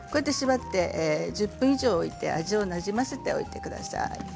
１０分以上置いて味をなじませておいてください。